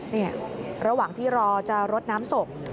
นี่ระหว่างที่รอจะรดน้ำศพ